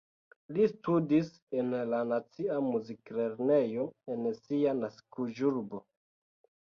Li studis en la nacia muziklernejo en sia naskiĝurbo.